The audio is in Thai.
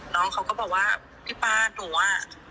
น้องเขาก็บอกว่าพี่ป้าหนูอ่ะ